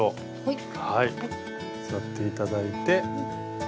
座って頂いて。